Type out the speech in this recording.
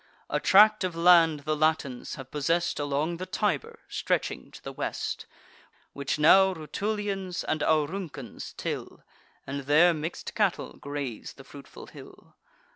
A tract of land the Latins have possess'd Along the Tiber, stretching to the west, Which now Rutulians and Auruncans till, And their mix'd cattle graze the fruitful hill.